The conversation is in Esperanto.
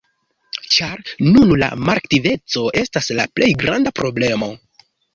Ĉar nun la malaktiveco estas la plej granda problemo.